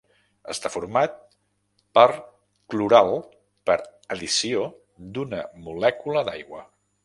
Està format per cloral per addició d'una molècula d'aigua.